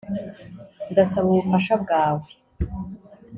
Ndasaba ubufasha bwawe